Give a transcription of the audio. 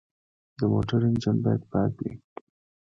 د موټر انجن باید پاک وي.